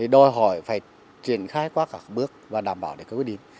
đòi hỏi phải triển khai qua các bước và đảm bảo để có quyết định